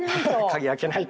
鍵開けないと。